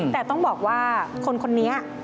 แต่ต้องบอกว่าคนนี้